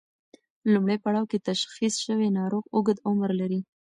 لومړی پړاو کې تشخیص شوی ناروغ اوږد عمر لري.